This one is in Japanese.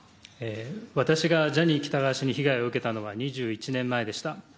私がジャニー喜多川氏に被害を受けたのは２１年前でした。